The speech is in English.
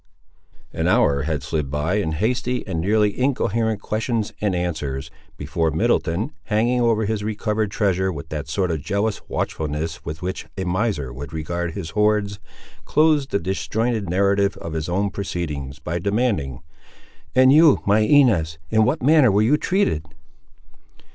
An hour had slid by, in hasty and nearly incoherent questions and answers, before Middleton, hanging over his recovered treasure with that sort of jealous watchfulness with which a miser would regard his hoards, closed the disjointed narrative of his own proceedings by demanding— "And you, my Inez; in what manner were you treated?"